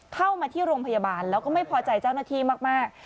เข้ามาที่โรงพยาบาลแล้วก็ไม่พอใจเจ้าหน้าที่มาก